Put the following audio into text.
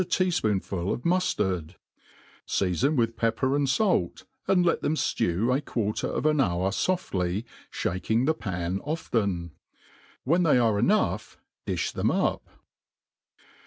tea fpofnful of muflard ; frafon with pep per and fait, and let them dew a quarter of an hour foftly, fhak^k ing the pan often. When they are enough difh them up.